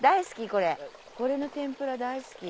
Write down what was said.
これの天ぷら大好き。